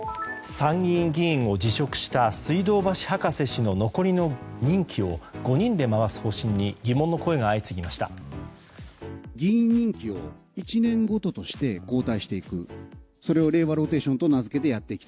参議院議員を辞職した水道橋博士氏の残りの任期を、５人で回す方針に疑問の声が相次ぎました。